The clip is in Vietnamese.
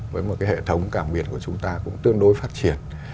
với một hệ thống cảng biển của chúng ta cũng tương đối phát triển